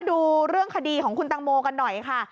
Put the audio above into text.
ดูเรื่องคดีของคุณตังโมกันหน่อยค่ะ